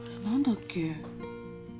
何だっけ？